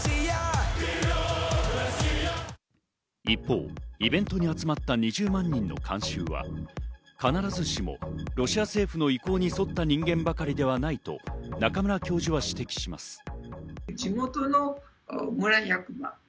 一方、イベントに集まった２０万人の観衆は、必ずしもロシア政府の意向に沿った人間ばかりではないと中村教授は指摘します。